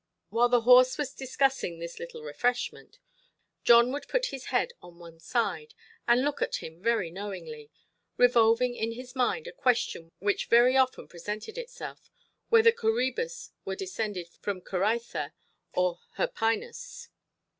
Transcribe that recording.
While the horse was discussing this little refreshment, John would put his head on one side, and look at him very knowingly, revolving in his mind a question which very often presented itself, whether Coræbus were descended from Corytha or Hirpinus.